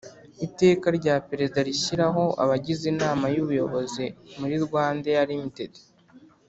Iteka rya Perezida rishyiraho abagize Inama y Ubuyobozi muri Rwandair Ltd